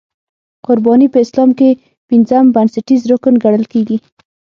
قرباني په اسلام کې پنځم بنسټیز رکن ګڼل کېږي.